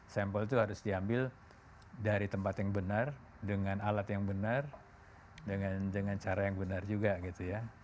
sampel itu harus diambil dari tempat yang benar dengan alat yang benar dengan cara yang benar juga gitu ya